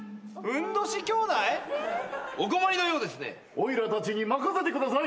おいらたちに任せてください。